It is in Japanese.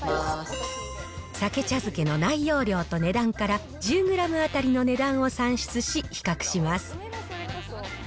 さけ茶漬けの内容量と値段から、１０グラム当たりの値段を算出し、比較します。